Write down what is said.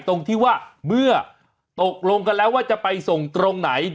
ตรงที่ว่าเมื่อตกลงกันแล้วว่าจะไปส่งตรงไหน